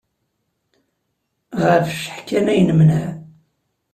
Ɣef cceḥ kan ay nemneɛ.